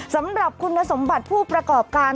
สำหรับคุณสมบัติผู้ประกอบการ